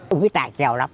ông ấy tài trèo lắm